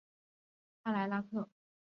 帕莱拉克。